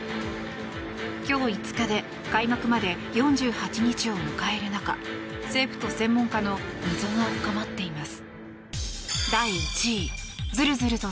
今日５日で開幕まで４８日を迎える中政府と専門家の溝が深まっています。